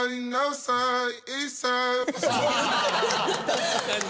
確かに。